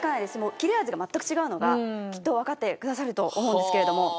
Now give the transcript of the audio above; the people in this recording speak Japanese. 切れ味が全く違うのがきっとわかってくださると思うんですけれども。